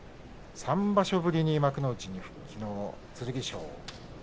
３場所ぶりに幕内に復帰の剣翔です。